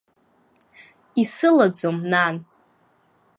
Исылаӡом, нан.